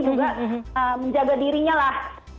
juga menjaga dirinya lah